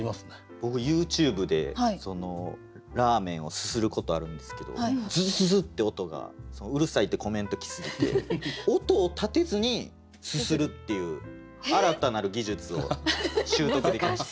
僕ＹｏｕＴｕｂｅでラーメンをすすることあるんですけどズズズッて音がうるさいってコメント来すぎて音を立てずにすするっていう新たなる技術を習得できました。